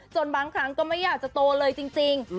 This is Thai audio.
บางครั้งก็ไม่อยากจะโตเลยจริง